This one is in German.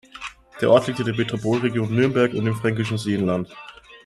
Der Ort liegt in der Metropolregion Nürnberg und im Fränkischen Seenland.